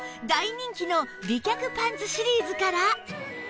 大人気の美脚パンツシリーズから